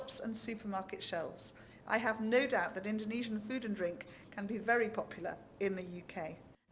bisa menjadi sangat populer di negara amerika